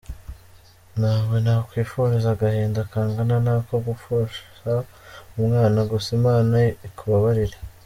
Ntawe nakwifuriza agahinda kangana nako gupfusha umwana, gusa Imana ikubabarire.